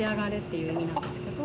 いう意味なんですけど。